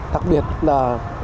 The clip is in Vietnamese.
đặc biệt là